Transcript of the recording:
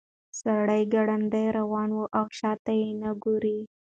سړی ګړندی روان دی او شاته نه ګوري.